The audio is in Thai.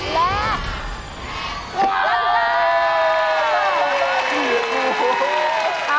และ